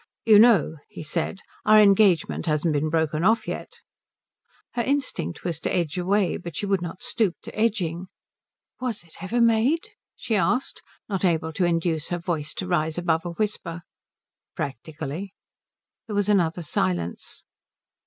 "You know," he said, "our engagement hasn't been broken off yet?" Her instinct was to edge away, but she would not stoop to edging. "Was it ever made?" she asked, not able to induce her voice to rise above a whisper. "Practically." There was another silence.